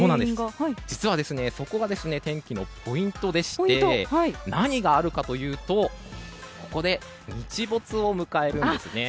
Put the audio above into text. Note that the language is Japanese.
実は、そこが天気のポイントでして何があるかというとここで日没を迎えるんですね。